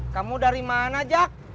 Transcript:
kamu dari mana jack